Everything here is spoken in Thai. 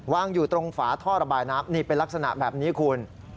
วางอยู่ตรงฝาท่อระบายน้ำนี่เป็นลักษณะแบบนี้คุณ